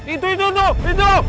itu itu itu itu